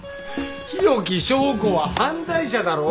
日置昭子は犯罪者だろ？